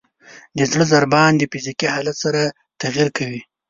د زړه ضربان د فزیکي حالت سره تغیر کوي.